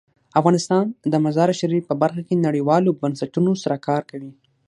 افغانستان د مزارشریف په برخه کې نړیوالو بنسټونو سره کار کوي.